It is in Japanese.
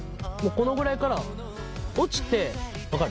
このぐらいから落ちて分かる？